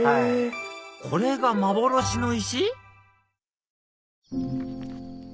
これが幻の石？